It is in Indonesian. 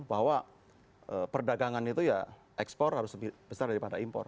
bahwa perdagangan itu ya ekspor harus lebih besar daripada impor